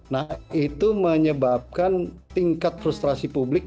nah itu menyebabkan tingkat frustrasi publik